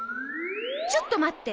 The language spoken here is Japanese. ちょっと待って。